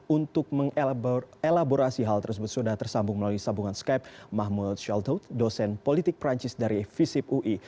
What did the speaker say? untuk mengelaborasi hal tersebut sudah tersambung melalui sambungan skype mahmud sheldot dosen politik perancis dari visip ui